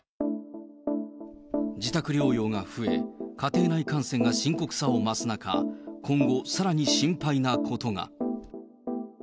自宅療養が増え、家庭内感染が深刻さを増す中、今後、さらに心配なことが。